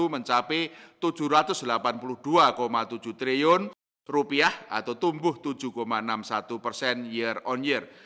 mencapai tujuh ratus delapan puluh dua tujuh triliun rupiah atau tumbuh tujuh enam puluh satu persen year on year